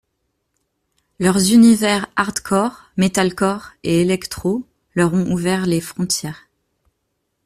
Leurs univers hardcore, metalcore et electro leur ont ouvert les frontières.